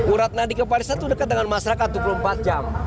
urat nadi ke parissa itu dekat dengan masyarakat dua puluh empat jam